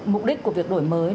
mục đích của việc đổi mới